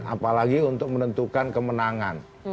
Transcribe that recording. apalagi untuk menentukan kemenangan